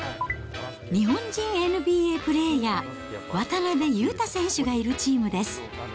日本人ＮＢＡプレーヤー、渡邊雄太選手がいるチームです。